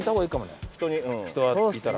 人がいたら。